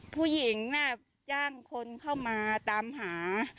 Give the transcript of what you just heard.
ผู้หญิงน่ะจ้างคนเข้ามาตามหา